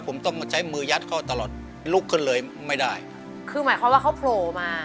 ผมต้องมาใช้มือยัดเขาตลอดลุกขึ้นเลยไม่ได้คือหมายความว่าเขาโผล่มา